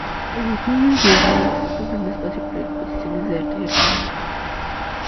En la planta intermedia existe un gran espacio para exposiciones de arte y arquitectura.